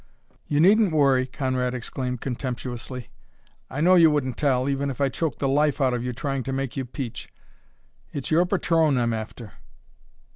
"You needn't worry," Conrad exclaimed contemptuously. "I know you wouldn't tell, even if I choked the life out of you trying to make you peach. It's your patron I'm after."